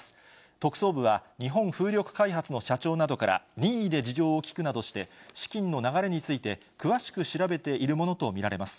特捜部は、日本風力開発の社長などから任意で事情を聴くなどして、資金の流れについて、詳しく調べているものと見られます。